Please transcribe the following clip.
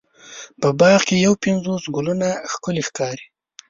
په باغ کې یو پنځوس ګلونه ښکلې ښکاري.